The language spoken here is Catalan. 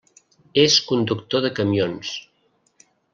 És conductor de camions.